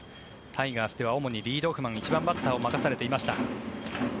タイガースでは主にリードオフマン１番バッターを任されていました。